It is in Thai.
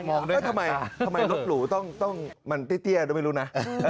ไปทำไมทำไมรถหลุมันตี้เตียวด้วยไม่รู้นะ